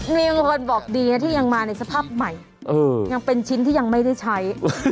มีบางคนบอกดีนะที่ยังมาในสภาพใหม่ยังเป็นชิ้นที่ยังไม่ได้ใช้